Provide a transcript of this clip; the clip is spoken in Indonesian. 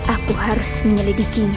aku harus menyelidikinya